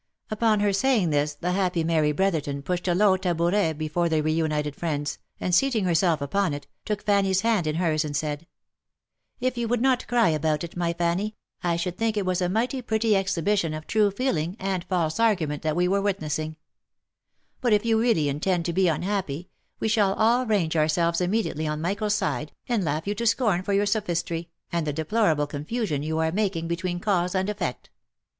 Upon her saying this, the happy Mary Brotherton pushed a low ta bouret before the reunited friends, and seating herself upon it, took Fanny's hand in hers, and said, " If you would not cry about it, my Fanny, I should think it was a mighty pretty exhibition of true feeling and false argument that we were witnessing ; but if you really intend to b e unhappy, we shall all range ourselves immediately on Michael's side, and laugh you to scorn for your sophistry, and the deplorable confusion you are making between cause and effect.